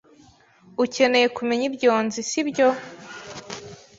Ukeneye kumenya ibyo nzi, sibyo?